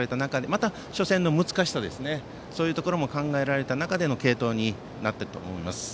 また初戦の難しさも考えられた中での継投になっていると思います。